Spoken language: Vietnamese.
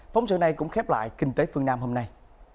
phóng sự này cũng khép lại kinh tế phương nam hôm nay